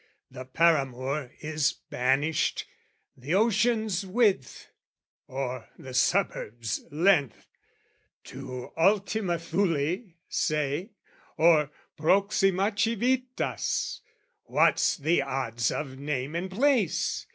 "The paramour is banished, the ocean's width, "Or the suburb's length, to Ultima Thule, say, "Or Proxima Civitas, what's the odds of name "And place?